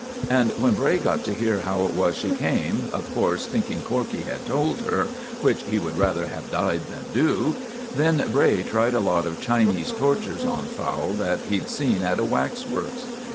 And when Bray got to hear how it was she came of course, thinking Corkey had told her, which he would rather have died than do then Bray tried a lot of Chinese tortures on Fowle that he'd seen at a wax works.